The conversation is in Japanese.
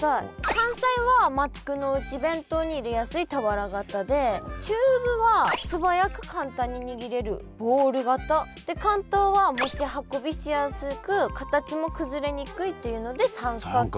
関西は幕の内弁当に入れやすい俵型で中部は素早く簡単ににぎれるボール型で関東は持ち運びしやすく形も崩れにくいっていうので三角形。